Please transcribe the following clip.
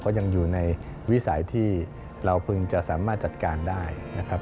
ก็ยังอยู่ในวิสัยที่เราพึ่งจะสามารถจัดการได้